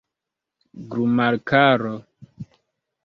glumarkaro